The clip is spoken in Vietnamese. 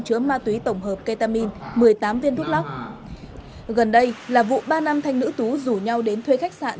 chứa ma túy tổng hợp ketamin một mươi tám viên thuốc lắc gần đây là vụ ba nam thanh nữ tú rủ nhau đến thuê khách sạn